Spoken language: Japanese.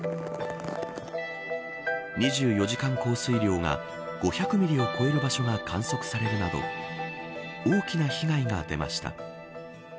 ２４時間降水量が５００ミリを超える場所が観測されるなど大きな被害が出ました。